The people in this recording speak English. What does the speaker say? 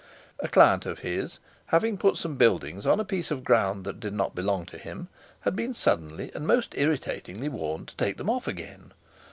A client of his, having put some buildings on a piece of ground that did not belong to him, had been suddenly and most irritatingly warned to take them off again.